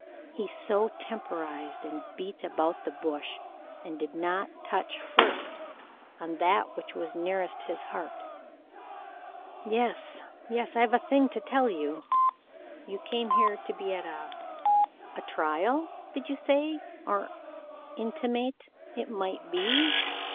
So he temporized and beat about the bush, and did not touch first on that which was nearest his heart. "Yes, yes. I've a thing to tell you. You came here to be at a a trial did you say, or intimate it might be?